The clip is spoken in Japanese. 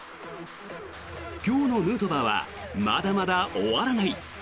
今日のヌートバーはまだまだ終わらない。